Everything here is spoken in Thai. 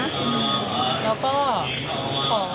ฉันจะช่วยน้องต้องดูแลตัวเองนะ